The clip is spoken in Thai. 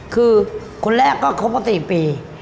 คือคนแรกก็คบมา๔ปี